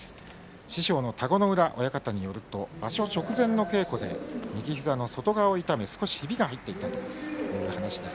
師匠の田子ノ浦親方によると場所直前の稽古で外側を痛めて、ひびが入っているということです。